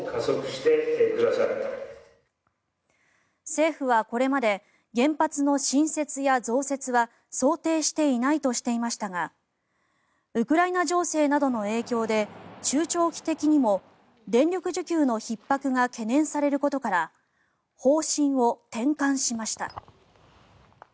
政府はこれまで原発の新設や増設は想定していないとしていましたがウクライナ情勢などの影響で中長期的にも電力需給のひっ迫が懸念されることから方針を転換しました。